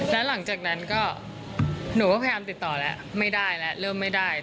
แล้วหลังจากนั้นก็หนูก็พยายามติดต่อแล้วไม่ได้แล้วเริ่มไม่ได้